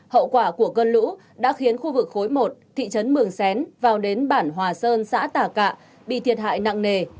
hậu quả của cơn lũ đã khiến khu vực khối một thị trấn mường xén vào đến bản hòa sơn xã tà cạ bị thiệt hại nặng nề